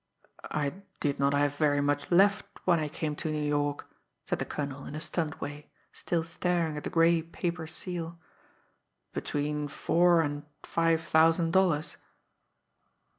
"I did not have very much left when I came to New York," said the colonel, in a stunned way, still staring at the gray paper seal. "Between four and five thousand dollars."